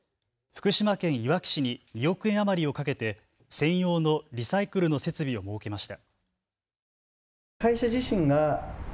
福島県いわき市に２億円余りをかけて専用のリサイクルの設備を設けました。